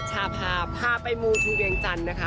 ชาพาพระไปมูลชิงเวียงจันทร์